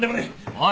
おい！